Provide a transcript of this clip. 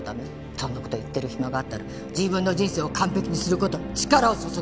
そんな事を言ってる暇があったら自分の人生を完璧にする事に力を注ぐべきよ！